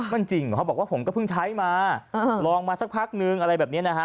มันจริงเหรอเขาบอกว่าผมก็เพิ่งใช้มาลองมาสักพักนึงอะไรแบบนี้นะฮะ